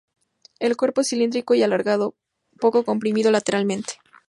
El cuerpo es cilíndrico y alargado, poco comprimido lateralmente.